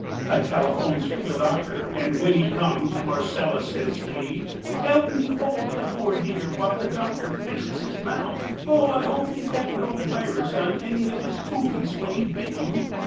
I telephones for the doctor, and when he comes Marcella says to me: 'Help me hold the poor dear while the doctor fixes his mouth. Oh, I hope he got no virus on any of his toofies when he bit you.